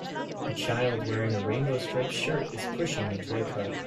A child wearing a rainbow striped shirt is pushing a toy cart